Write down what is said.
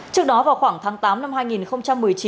trước đó vào khoảng tháng tám năm hai nghìn một mươi chín